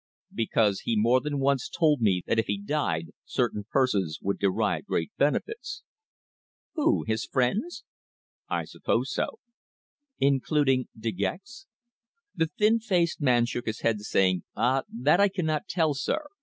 "Because he more than once told me that if he died certain persons would derive great benefits." "Who? His friends?" "I suppose so." "Including De Gex?" The thin faced man shook his head, saying: "Ah! That I cannot tell, sir.